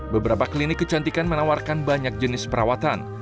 beberapa klinik kecantikan menawarkan banyak jenis perawatan